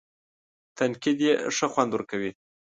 تنقید یې ښه خوند ورکوي.